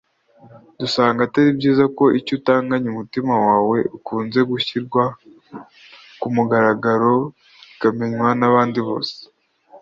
dusanga atari byiza ko icyo utanganye umutima wawe ukunze gishyirwa ku mugaragaro kikamenywa n’abandi bose